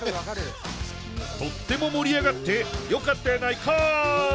とっても盛り上がってよかったやないかい！